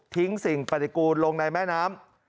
สิ่งปฏิกูลลงในแม่น้ำ